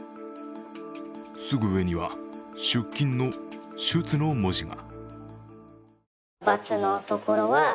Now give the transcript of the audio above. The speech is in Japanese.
すぐ上には出勤の「出」の文字が。